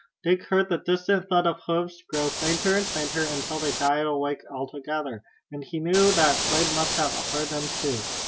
Dick heard the distant thud of hoofs growing fainter and fainter until they died away altogether, and he knew that Slade must have heard them too.